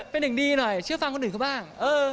เป็นเองดีหน่อยแล้วกัน